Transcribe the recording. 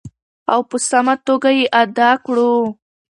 او په سمه توګه یې ادا کړو.